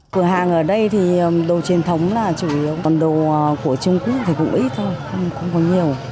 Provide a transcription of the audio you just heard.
cửa hàng ở đây thì đồ truyền thống là chủ yếu còn đồ của trung quốc thì cũng ít thôi không có nhiều